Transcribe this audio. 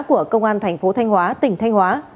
của công an thành phố thanh hóa tỉnh thanh hóa